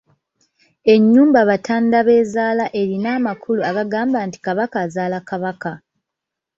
Ennyumba Batandabeezaala erina amakulu agagamba nti Kabaka azaala Kabaka.